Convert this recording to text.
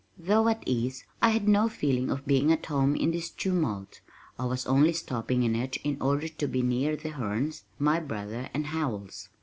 Though at ease, I had no feeling of being at home in this tumult. I was only stopping in it in order to be near the Hernes, my brother, and Howells.